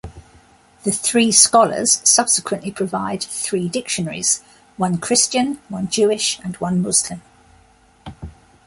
The three scholars subsequently provide three dictionaries: one Christian, one Jewish and one Muslim.